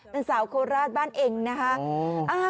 เป็นสาวโคราชบ้านเองนะคะ